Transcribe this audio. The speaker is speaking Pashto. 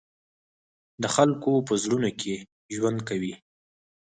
د خلقو پۀ زړونو کښې ژوند کوي،